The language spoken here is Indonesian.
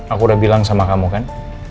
aku udah bilang sama kamu kan